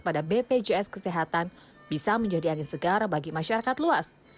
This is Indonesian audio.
pada bpjs kesehatan bisa menjadi angin segar bagi masyarakat luas